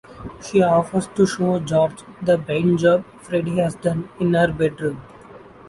She offers to show George the paint job Freddie has done in her bedroom.